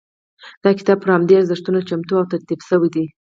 دا کتاب پر همدې ارزښتونو چمتو او ترتیب شوی دی.